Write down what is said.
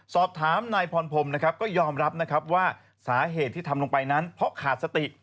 สอบถามนายพรพรมยอมรับว่าสาเหตุที่ทำลงไปนั้นเพราะขาดสติ